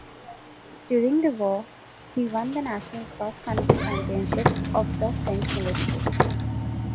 During the war he won the national cross-country championships of the French military.